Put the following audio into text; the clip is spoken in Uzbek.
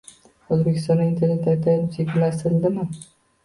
O'zbekistonda Internet ataylab sekinlashtirildimi?